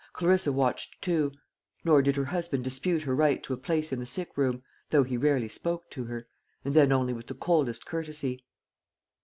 Clarissa watched too; nor did her husband dispute her right to a place in the sick room, though he rarely spoke to her, and then only with the coldest courtesy.